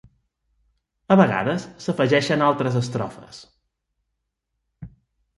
A vegades s'afegeixen altres estrofes.